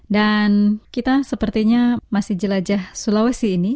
dan kita sepertinya masih jelajah sulawesi ini